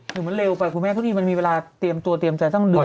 หรือมันเร็วไปคุณแม่ทุกทีมันมีเวลาเตรียมตัวเตรียมใจตั้งเดือน